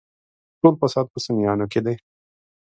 ټول فساد په سنيانو کې دی.